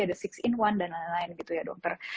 ada enam in satu dan lain lain gitu ya dokter